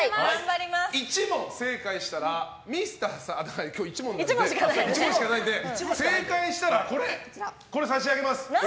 １問正解したら今日は１問しかないので正解したら、これ差し上げます。